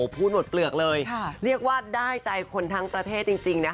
พูดหมดเปลือกเลยเรียกว่าได้ใจคนทั้งประเทศจริงนะคะ